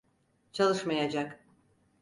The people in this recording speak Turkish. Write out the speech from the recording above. Çalışmayacak.